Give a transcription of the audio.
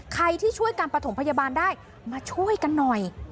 ใครที่ช่วยการประถมพยาบาลได้มาช่วยกันหน่อย